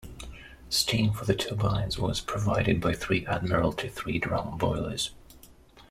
Steam for the turbines was provided by three Admiralty three-drum boilers.